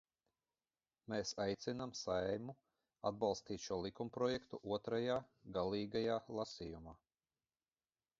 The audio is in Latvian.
Mēs aicinām Saeimu atbalstīt šo likumprojektu otrajā, galīgajā, lasījumā.